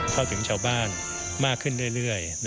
เข้าถึงชาวบ้านมากขึ้นเรื่อย